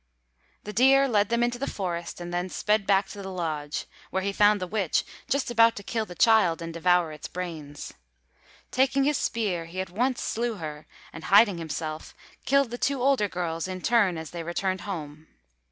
The deer led them into the forest, and then sped back to the lodge, where he found the witch just about to kill the child and devour its brains. Taking his spear, he at once slew her and, hiding himself, killed the two older girls in turn as they returned home.